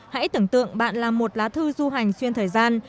hãy tưởng tượng bạn là một lá thư du hành xuyên thời gian